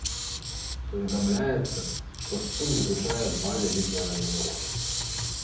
Паведамляецца, што спуск злучае два вялікія раёны горада.